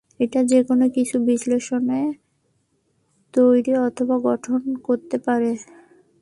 এটা যেকোনো কিছুকে বিশ্লেষণ, তৈরি অথবা গঠন করতে পারে।